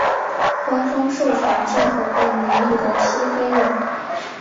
官方授权进口被奴役的西非人。